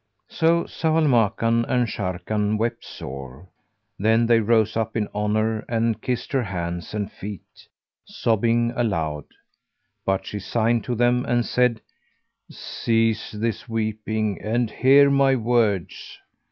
So Zau al Makan and Sharrkan wept sore; then they rose up in honour and kissed her hands and feet, sobbing aloud: but she signed to them; and said, "Cease this weeping and hear my words.